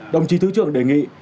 đồng chí thứ trưởng đề nghị